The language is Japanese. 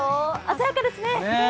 鮮やかですね。